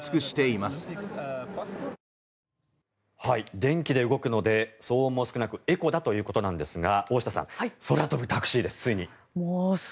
電気で動くので騒音も少なくエコだということなんですが大下さん、ついに空飛ぶタクシーです。